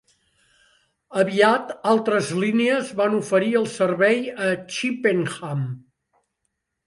Aviat altres línies van oferir el servei a Chippenham.